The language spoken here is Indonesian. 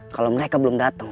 kalau mereka belum datang